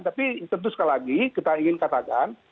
tapi tentu sekali lagi kita ingin katakan